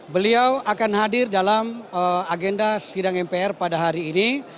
beliau akan hadir dalam agenda sidang mpr pada hari ini